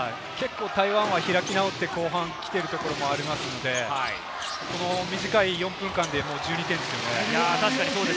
台湾は開き直って後半きているところもありますので、短い４分間で１２点ですよね。